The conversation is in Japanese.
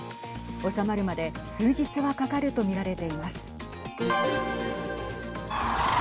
収まるまで数日はかかると見られています。